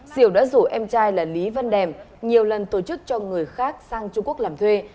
diều đã rủ em trai là lý văn đèm nhiều lần tổ chức cho người khác sang trung quốc làm thuê